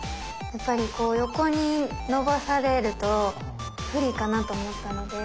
やっぱりこう横にのばされると不利かなと思ったので。